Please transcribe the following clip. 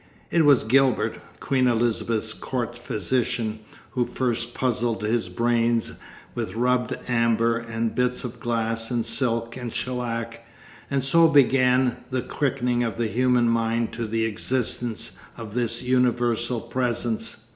It was Gilbert, Queen Elizabeth's court physician, who first puzzled his brains with rubbed amber and bits of glass and silk and shellac, and so began the quickening of the human mind to the existence of this universal presence.